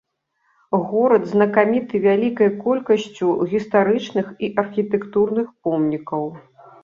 Горад знакаміты вялікай колькасцю гістарычных і архітэктурных помнікаў.